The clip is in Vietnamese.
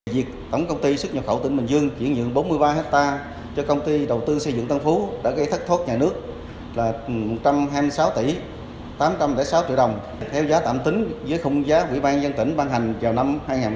việc tổng công ty xuất nhập khẩu tỉnh bình dương chuyển nhượng bốn mươi ba hectare cho công ty đầu tư xây dựng tân phú đã gây thất thốt nhà nước là một trăm hai mươi sáu tỷ tám trăm linh sáu triệu đồng theo giá tạm tính với khung giá quỹ ban dân tỉnh ban hành vào năm hai nghìn hai mươi